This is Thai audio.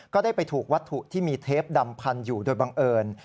ก็ได้ไปถูกวัตถุที่มีเทปดำพันอยู่โดยบังเอิญ